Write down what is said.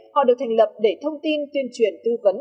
họ được thành lập để thông tin tuyên truyền tư vấn